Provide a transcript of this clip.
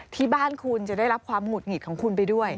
ที่บ้านคุณจะได้รับความหงุดหงิดของคุณไปด้วย